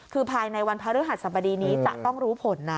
คือภายในวันพระฤหัสสบดีนี้จะต้องรู้ผลนะ